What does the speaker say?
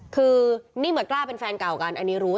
คือนี่เหมือนกล้าเป็นแฟนเก่ากันอันนี้รู้